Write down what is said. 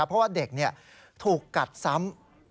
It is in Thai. เพราะว่าเด็กถูกกัดซ้ำ